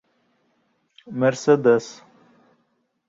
Мерседес!